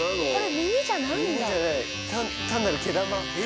耳じゃない単なる毛玉。